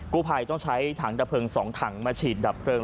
ผู้ภัยต้องใช้ถังดับเพลิง๒ถังมาฉีดดับเพลิง